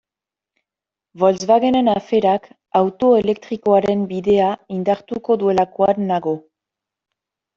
Volkswagenen aferak auto elektrikoaren bidea indartuko duelakoan nago.